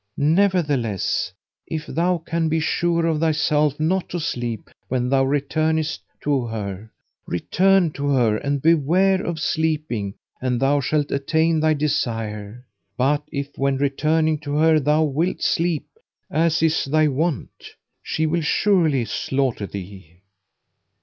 Nevertheless, if thou can be sure of thyself not to sleep when thou returnest to her, return to her and beware of sleeping and thou shalt attain thy desire; but if when returning to her thou wilt sleep, as is thy wont, she will surely slaughter thee."